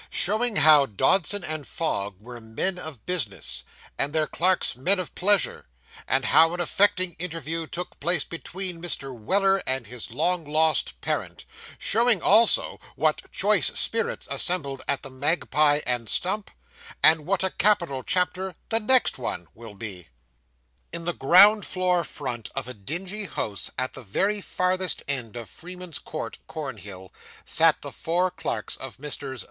SHOWING HOW DODSON AND FOGG WERE MEN OF BUSINESS, AND THEIR CLERKS MEN OF PLEASURE; AND HOW AN AFFECTING INTERVIEW TOOK PLACE BETWEEN MR. WELLER AND HIS LONG LOST PARENT; SHOWING ALSO WHAT CHOICE SPIRITS ASSEMBLED AT THE MAGPIE AND STUMP, AND WHAT A CAPITAL CHAPTER THE NEXT ONE WILL BE In the ground floor front of a dingy house, at the very farthest end of Freeman's Court, Cornhill, sat the four clerks of Messrs.